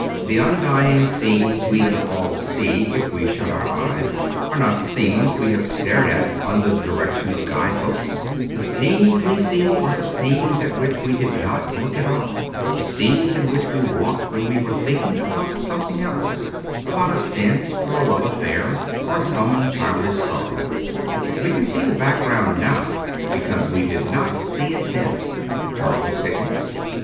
The undying scenes we can all see, if we shut our eyes, are not the scenes we have stared at under the direction of guide books ; the scenes we see are the scenes at which we did not look at all — the scenes in which we walked when we were thinking about something else — about a sin, or a love affair, or some childish sorrow. We can see the background now because we did not see it then. ' Charles Dickens.'